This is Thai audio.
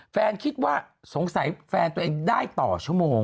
คิดว่าสงสัยแฟนตัวเองได้ต่อชั่วโมง